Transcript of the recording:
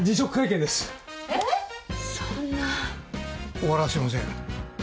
終わらせません。